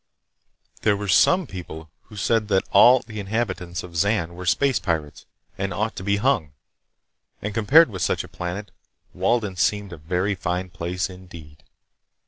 There were some people who said that all the inhabitants of Zan were space pirates and ought to be hung and compared with such a planet, Walden seemed a very fine place indeed.